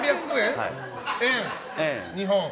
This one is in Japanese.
日本。